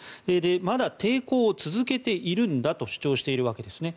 まだ抵抗を続けているんだと主張しているわけですね。